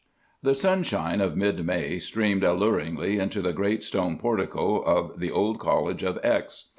"The sunshine of mid May streamed alluringly into the great stone portico of the old college of X——.